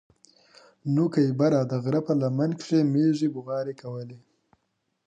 نوکي بره د غره په لمن کښې مېږې بوغارې کولې.